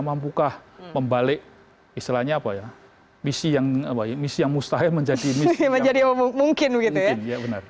mampukah membalik misi yang mustahil menjadi misi yang mungkin